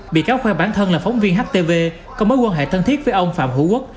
bị cáo khoe bản thân là phóng viên htv có mối quan hệ thân thiết với ông phạm hữu quốc